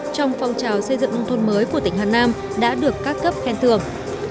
trong phong trào xây dựng nông thôn mới của tỉnh hà nam đã được các cấp khen thưởng